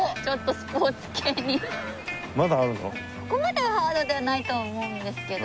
ここまでハードではないと思うんですけど。